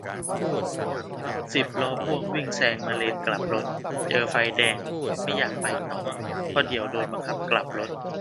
สิบล้อพ่วงวิ่งแซงมาเลนกลับรถ เจอไฟแดง ไม่อยากไปต่อ เพราะเดี๋ยวโดนบังคับกลับรถ